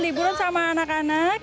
liburan sama anak anak